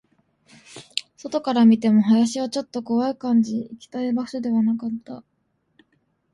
外から見ても、林はちょっと怖い感じ、あまり行きたい場所ではなかった